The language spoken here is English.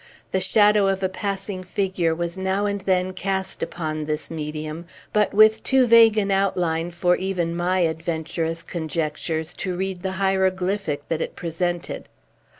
The shadow of a passing figure was now and then cast upon this medium, but with too vague an outline for even my adventurous conjectures to read the hieroglyphic that it presented.